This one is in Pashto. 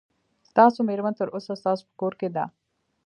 ستاسو مېرمن تر اوسه ستاسو په کور کې وه.